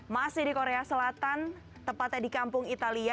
masih di korea selatan tepatnya di kampung italia